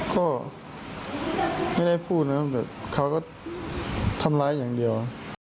ก็ไม่ได้พูดนะแบบเขาก็ทำร้ายอย่างเดียว